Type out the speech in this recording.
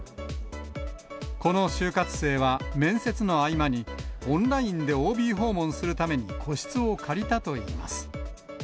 この就活生は、面接の合間に、オンラインでＯＢ訪問するために個室を借りたといいます。